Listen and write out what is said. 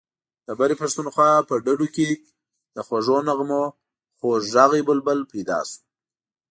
د برې پښتونخوا په ډډو کې د خوږو نغمو خوږ غږی بلبل پیدا شو.